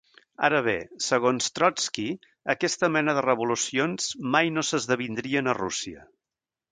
Ara bé, segons Trotski, aquesta mena de revolucions mai no s'esdevindrien a Rússia.